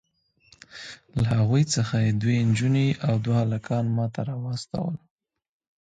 له هغوی څخه یې دوې نجوني او دوه هلکان ماته راواستول.